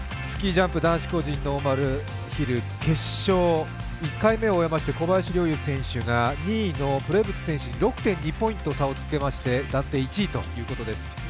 スキージャンプ男子個人ノーマルヒル決勝、１回目を終えまして小林陵侑選手が２位のプレブツ選手に６．２ポイント差をつけまして、暫定１位ということです。